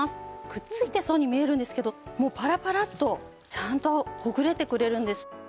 くっついてそうに見えるんですけどもうパラパラとちゃんとほぐれてくれるんです。